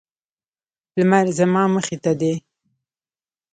لمر زما مخې ته دی